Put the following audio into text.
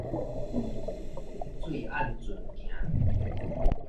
水按圳行